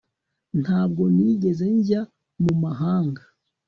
Ntabwo nigeze njya mu mahanga